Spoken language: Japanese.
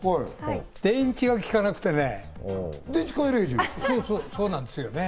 電池がきかなくてね。